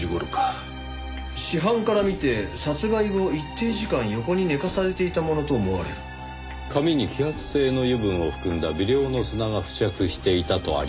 「死斑から見て殺害後一定時間横に寝かされていたものと思われる」「髪に揮発性の油分を含んだ微量の砂が付着していた」とありますねぇ。